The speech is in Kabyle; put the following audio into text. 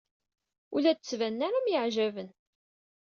Ur la d-ttbanen ara myeɛjaben.